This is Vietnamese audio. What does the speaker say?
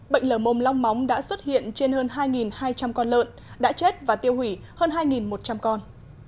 bệnh lở mồm long móng đã xuất hiện trên hơn hai hai trăm linh con lợn đã chết và tiêu hủy hơn hai một trăm linh con